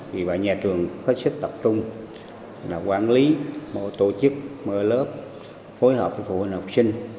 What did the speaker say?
vì vậy nhà trường hết sức tập trung quản lý một tổ chức lớp phối hợp với phụ huynh học sinh